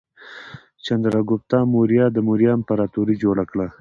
چندراګوپتا موریا د موریا امپراتورۍ جوړه کړه.